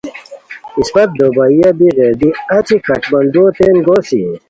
اسپہ دوبئیہ بی غیر دی اچی کھڈمنڈؤو تین گوسی